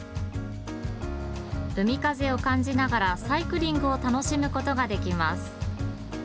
海風を感じながらサイクリングを楽しむことができます。